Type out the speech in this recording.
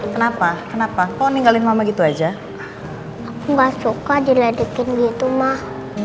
kenapa kenapa kau ninggalin mama gitu aja nggak suka diledekin gitu mah